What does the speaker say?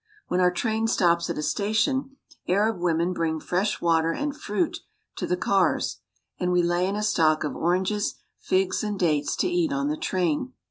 When our train stops at a station, Arab women bring fresh water and fruit to the cars, and we lay in a stock of oranges, figs, and dates to eat on the train.